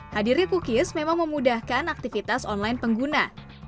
hadirnya cookies memang memudahkan aktivitas online pengguna